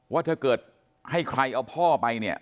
ว่าถ้าเกิดให้ใครเอาพ่อไปเนี่ย